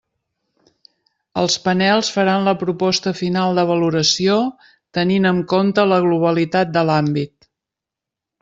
Els panels faran la proposta final de valoració tenint en compte la globalitat de l'àmbit.